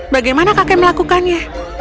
bagaimana kakek melakukannya